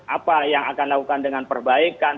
apa yang akan dilakukan dengan perbaikan